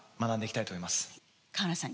川名さん